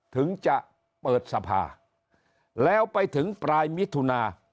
ถึงจะเปิดสภาแล้วไปถึงปลายมิถุนา